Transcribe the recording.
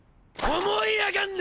思い上がんな！